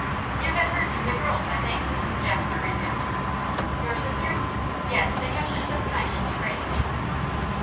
'You have heard from the girls, I think?' Jasper resumed. 'Your sisters? Yes; they have been so kind as to write to me.